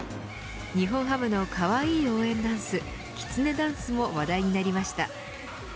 日本ハムのかわいい応援ダンスきつねダンスも話題になりました。